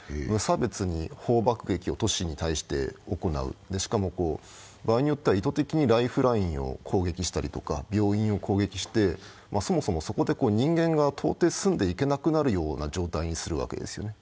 無差別に砲爆撃を都市に対して行う、しかも、場合によっては意図的にライフラインを攻撃したりとか、病院を攻撃して、そもそもそこで人間が到底住んでいけなくなるような状態にするわけです。